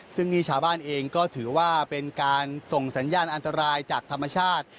ซึ่งนี่ชาวบ้านเองก็ถือว่าเป็นการส่งสัญญาณอันตรายจากธรรมชาติ